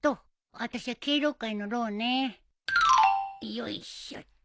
よいしょっと。